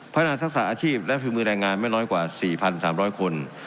นักทักษะอาชีพและฝีมือแรงงานไม่น้อยกว่า๔๓๐๐คน